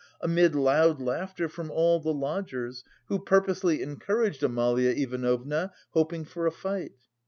amid loud laughter from all the lodgers, who purposely encouraged Amalia Ivanovna, hoping for a fight.